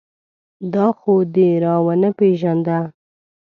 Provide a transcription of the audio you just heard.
دا خو دې را و نه پېژانده.